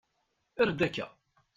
Err-d akka.